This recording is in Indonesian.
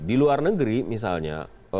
di luar negeri misalnya